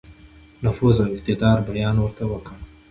نفوذ او اقتدار بیان ورته وکړ.